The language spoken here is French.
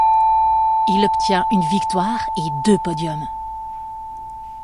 Il obtient une victoire et deux podiums.